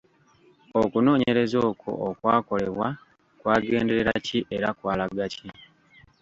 Okunoonyereza okwo okwakolebwa kwagenderera ki era kwalaga ki?